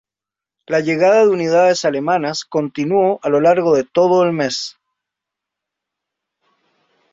La llegada de unidades alemanas continuó a lo largo de todo el mes.